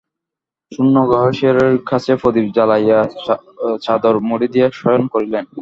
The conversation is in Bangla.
শূন্য গৃহে শিয়রের কাছে প্রদীপ জ্বালাইয়া চাদর মুড়ি দিয়া শয়ন করিলেন।